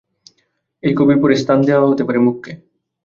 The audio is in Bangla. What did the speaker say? এই কবির পরেই স্থান দেয়া যেতে পারে মুখকে।